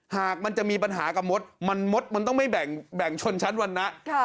หากมันจะมีปัญหากับมดมันมดมันต้องไม่แบ่งชนชั้นวรรณะ